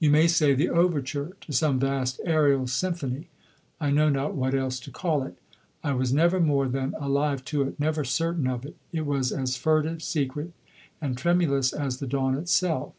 You may say the overture to some vast aerial symphony; I know not what else to call it. I was never more than alive to it, never certain of it. It was as furtive, secret, and tremulous as the dawn itself.